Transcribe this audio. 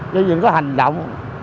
với những hành động